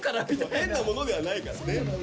変な物ではないからね。